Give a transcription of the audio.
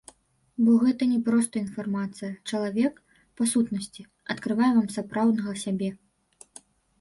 Бо гэта не проста інфармацыя, чалавек, па сутнасці, адкрывае вам сапраўднага сябе.